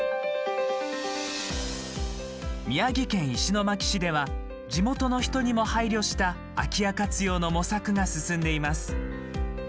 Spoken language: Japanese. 宮城県石巻市では地元の人にも配慮した空き家活用の模索が進んでいます。